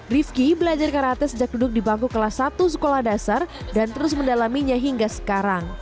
rifki belajar karate sejak duduk di bangku kelas satu sekolah dasar dan terus mendalaminya hingga sekarang